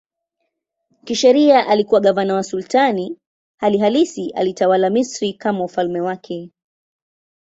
Kisheria alikuwa gavana wa sultani, hali halisi alitawala Misri kama ufalme wake.